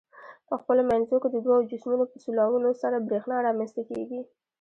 په خپلو منځو کې د دوو جسمونو په سولولو سره برېښنا رامنځ ته کیږي.